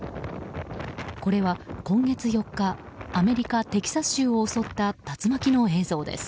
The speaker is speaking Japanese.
これは今月４日アメリカ・テキサス州を襲った竜巻の映像です。